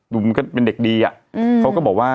เห็นมั้ย